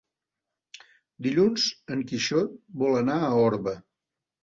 Dilluns en Quixot vol anar a Orba.